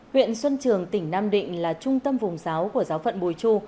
huyện xuân trường tỉnh nam định là trung tâm vùng giáo của giáo phận bùi chu